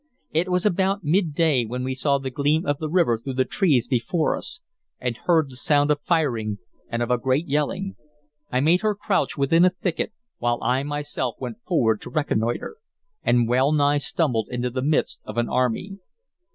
It was about midday when we saw the gleam of the river through the trees before us, and heard the sound of firing and of a great yelling. I made her crouch within a thicket, while I myself went forward to reconnoitre, and well nigh stumbled into the midst of an army.